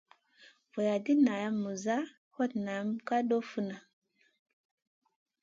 Vuladid nan ma muza, hot nan ma doh funa.